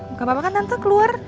nggak apa apa kan tante keluar